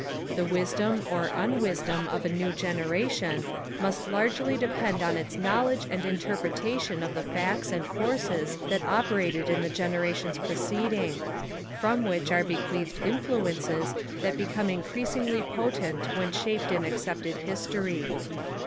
The wisdom or unwisdom of a new generation must largely depend on its knowledge and inter pretation of the facts and forces that operated in the genera tions preceding, from which are bequeathed influences that vi DEDICATION AND PREFACE become increasingly potent when shaped in accepted history.